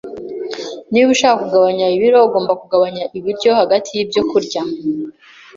Niba ushaka kugabanya ibiro, ugomba kugabanya ibiryo hagati yibyo kurya.